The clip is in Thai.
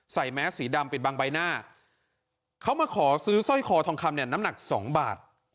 แม้สีดำปิดบังใบหน้าเขามาขอซื้อสร้อยคอทองคำเนี่ยน้ำหนักสองบาท